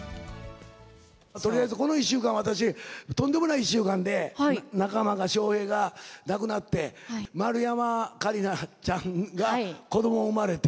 とりあえずこの１週間、私、とんでもない１週間で、仲間が、笑瓶が亡くなって、丸山桂里奈ちゃんが子ども生まれて。